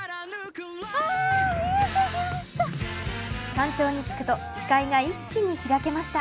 山頂に着くと視界が一気に開けました。